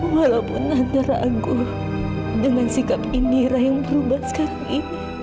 walaupun tante ragu dengan sikap indira yang berubah sekali